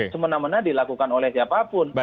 semenamena dilakukan oleh siapapun